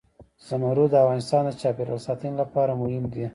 زمرد د افغانستان د چاپیریال ساتنې لپاره مهم دي.